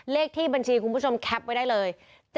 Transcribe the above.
เลขที่บัญชีคุณผู้ชมแคปไว้ได้เลย